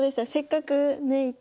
せっかくね